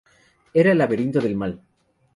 Era El laberinto del mal.